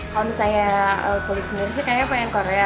kalau misalnya kulit sendiri sih kayaknya pengen korea